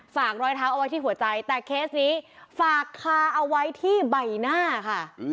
รอยเท้าเอาไว้ที่หัวใจแต่เคสนี้ฝากคาเอาไว้ที่ใบหน้าค่ะ